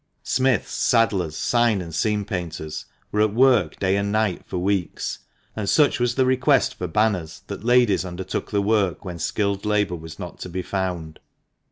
Smiths, saddlers, sign and scene painters, were at work day and night for weeks ; and such was the request for banners that ladies undertook the work when skilled labour was not to be found.